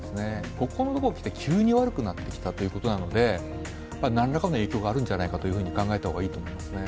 ここのところにきて急に悪くなってきたということなので何らかの影響があるんじゃないかと考えた方がいいですね。